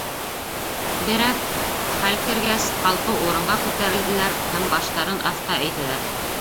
Бер аҙ хәл кергәс, ҡалҡыу урынға күтәрелделәр һәм баштарын аҫҡа эйҙеләр.